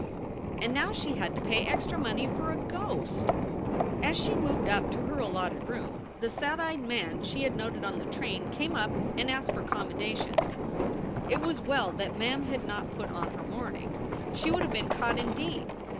And now she had to pay extra money for a ghost ! As she moved up to her allotted room the sad eyed man she had noted on the train came up and asked for " com modations." It was well that Mem had not put on her mourning. She would have been caught indeed.